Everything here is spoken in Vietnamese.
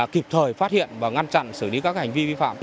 kịp thời phát hiện và ngăn chặn xử lý các hành vi vi phạm